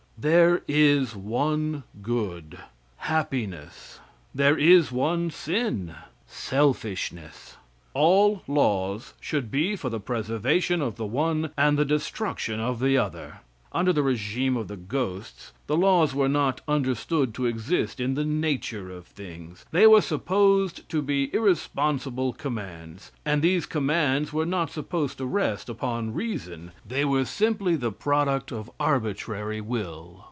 There is one good happiness. There is one sin selfishness. All laws should be for the preservation of the one and the destruction of the other. Under the regime of the ghosts the laws were not understood to exist in the nature of things; they were supposed to be irresponsible commands, and these commands were not supposed to rest upon reason; they were simply the product of arbitrary will.